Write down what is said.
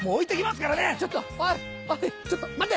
ちょっと待て！